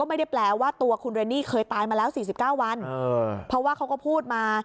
ไม่ได้แปลว่าตัวคุณเรนนี่เคยตายมาแล้ว๔๙วันเพราะว่าเขาก็พูดมา